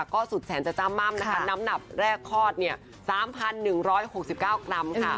ก็สุดแสนจะจ้าม่ำนะคะน้ำหนักแรกคลอด๓๑๖๙กรัมค่ะ